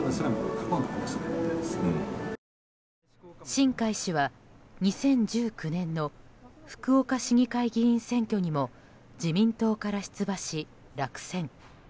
新開氏は、２０１９年の福岡市議会議員選挙にも自民党から出馬し、落選。